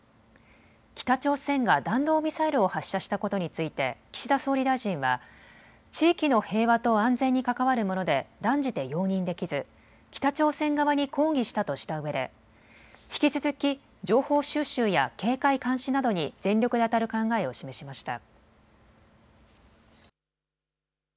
北朝鮮が弾道ミサイルを発射したことについて岸田総理大臣は地域の平和と安全に関わるもので断じて容認できず北朝鮮側に抗議したとしたうえで、引き続き情報収集や警戒監視などに全力であたる考えを示しました。